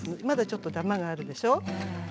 まだちょっとダマがあるでしょ